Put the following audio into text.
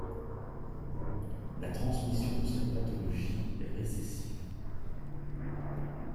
La transmission de cette pathologie est récessive.